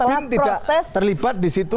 tapi bg tidak terlibat di situ